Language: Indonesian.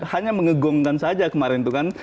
hanya mengegungkan saja kemarin itu kan